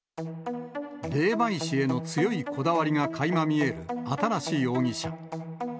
霊媒師への強いこだわりがかいま見える新容疑者。